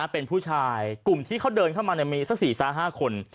เป็นผู้ชายกลุ่มที่เขาเดินเข้ามามีสัก๔๕คน